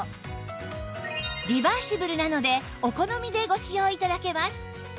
リバーシブルなのでお好みでご使用頂けます